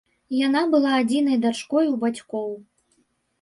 Яна была адзінай дачкой у бацькоў.